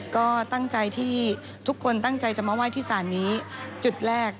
ก็ทุกคนตั้งใจจะมาไหว้ที่ศาลนี้จุดแรก